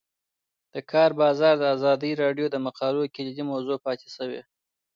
د کار بازار د ازادي راډیو د مقالو کلیدي موضوع پاتې شوی.